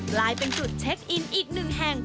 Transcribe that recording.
กลายเป็นจุดเช็คอินอีกหนึ่งแห่ง